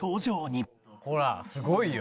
ほらすごいよ。